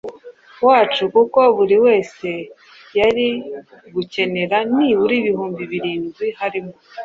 wacu kuko buri wese yari gukenera nibura ibihumbi birindwi, harimo